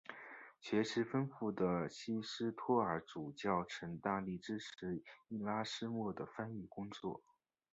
学识丰富的滕斯托尔主教曾大力支持伊拉斯谟的翻译工作。